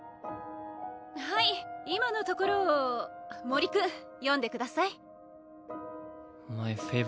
はい今の所を森君読んでください。